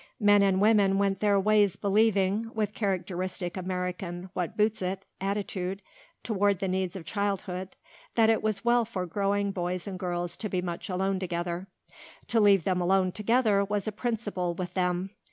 Men and women went their ways believing, with characteristic American what boots it attitude toward the needs of childhood, that it was well for growing boys and girls to be much alone together. To leave them alone together was a principle with them.